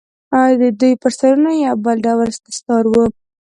د دوى پر سرونو يو بل ډول دستار و.